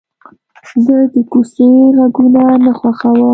زه د کوڅې غږونه نه خوښوم.